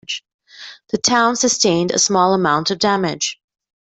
The town sustained a small amount of damage.